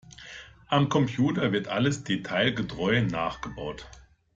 Am Computer wird alles detailgetreu nachgebaut.